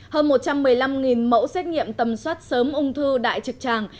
hơn một trăm một mươi năm mẫu xét nghiệm tầm soát sớm ung thư đại trực tràng